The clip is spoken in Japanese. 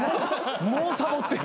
もうサボってる。